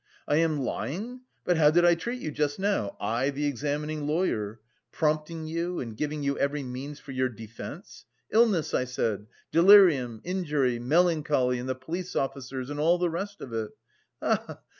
"I am lying... but how did I treat you just now, I, the examining lawyer? Prompting you and giving you every means for your defence; illness, I said, delirium, injury, melancholy and the police officers and all the rest of it? Ah!